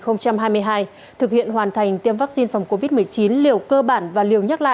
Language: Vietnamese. năm hai nghìn hai mươi hai thực hiện hoàn thành tiêm vaccine phòng covid một mươi chín liều cơ bản và liều nhắc lại